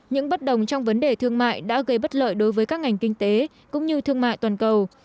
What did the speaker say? những bất đồng trong vấn đề thương mại đã gây bất lợi đối với các ngành kinh tế cũng như thương mại toàn cầu